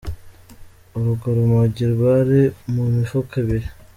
Urwo rumogi rwari mu mifuka ibiri.